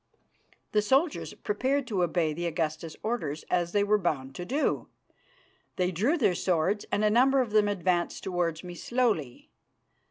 The soldiers prepared to obey the Augusta's orders, as they were bound to do. They drew their swords and a number of them advanced towards me slowly.